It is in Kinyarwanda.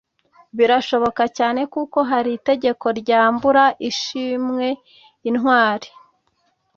Birashoboka Cyane kuko Hari itegeko ryambura ishimwe intwari